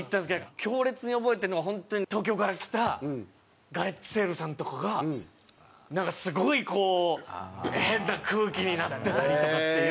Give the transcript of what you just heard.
強烈に覚えてるのは本当に東京から来たガレッジセールさんとかがなんかすごいこう変な空気になってたりとかっていう。